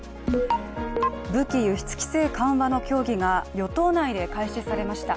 武器輸出規制緩和の協議が与党内で開始されました。